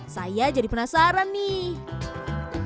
saya jadi penasaran nih